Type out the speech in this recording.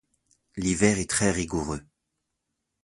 L'hiver est très rigoureux.